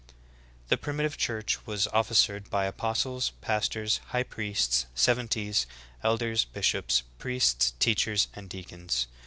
The Primitive Church was officered by apostles, pastors, high priests, seventies, elders, bishops, priests, teach ers, and deacons.'